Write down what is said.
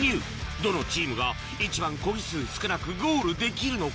どのチームが一番コギ数少なくゴールできるのか？